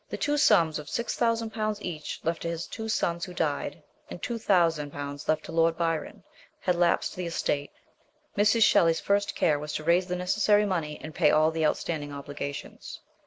Two sums of 6,000 each left to his two sons who died, and 2,000 left to Lord Byron, had lapsed to the estate. Mrs. Shelley's first care was to raise the necessary money and pay all the outstanding obligations.